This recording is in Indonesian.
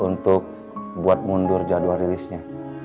untuk buat mundur jadwal rilisnya